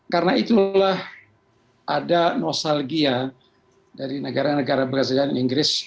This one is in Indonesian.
karena itulah ada nostalgia dari negara negara berasal dari inggris